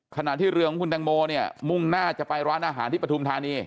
ขณะที่เรือของคุณแตงโมเนี่ยมุ่งหน้าจะไปร้านอาหารที่ปฐุมธานี